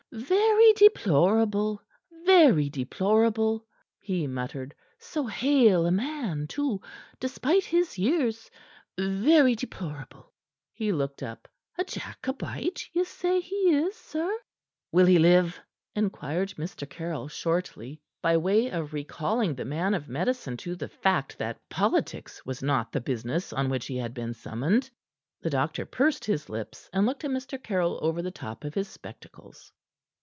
"Very deplorable, very deplorable!" he muttered. "So hale a man, too, despite his years. Very deplorable!" He looked up. "A Jacobite, ye say he is, sir?" "Will he live?" inquired Mr. Caryll shortly, by way of recalling the man of medicine to the fact that politics was not the business on which he had been summoned. The doctor pursed his lips, and looked at Mr. Caryll over the top of his spectacles.